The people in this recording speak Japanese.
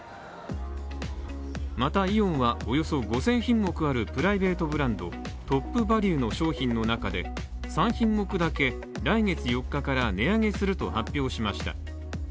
またイオンは、およそ５０００品目あるプライベートブランドトップバリュの商品の中で、３品目だけ、来月４日から値上げすると発表しました。